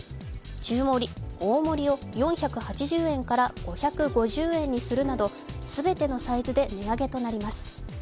中盛・大盛を４８０円から５５０円にするなど全てのサイズで値上げとなります。